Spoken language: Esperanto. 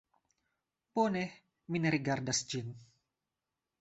Bone, mi ne rigardas ĝin